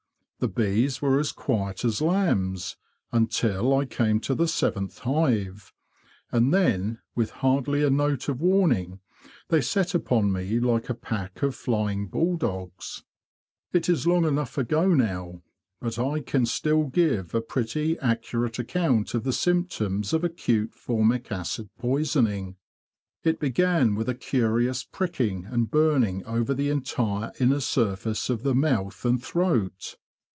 The bees were as quiet as lambs until I came to the seventh hive; and then, with hardly a note of warning, they set upon me like a pack of flying bull dogs, It is long enough ago now, but I can still give a pretty accurate account of the symptoms of acute formic acid poisoning. It began with a curious pricking and burning over the entire inner surface of the mouth and throat.